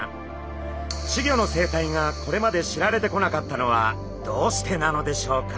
稚魚の生態がこれまで知られてこなかったのはどうしてなのでしょうか？